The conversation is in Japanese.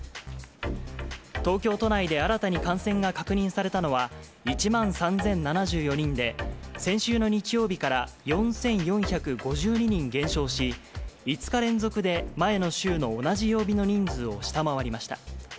東京都内で新たに感染が確認されたのは、１万３０７４人で、先週の日曜日から４４５２人減少し、５日連続で前の週の同じ曜日の人数を下回りました。